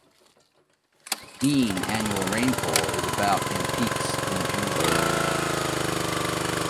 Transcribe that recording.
Mean annual rainfall is about and peaks in June and October.